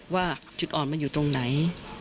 ว่าจุดอ่อนมันอยู่ตรงไหน